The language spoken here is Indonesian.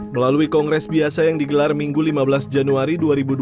melalui kongres biasa yang digelar minggu lima belas januari dua ribu dua puluh